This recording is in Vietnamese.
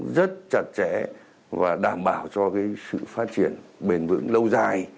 rất chặt chẽ và đảm bảo cho sự phát triển bền vững lâu dài